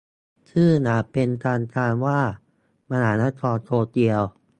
ชื่ออย่างเป็นทางการว่ามหานครโตเกียว